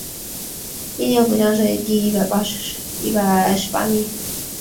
应天府乡试第一百十八名。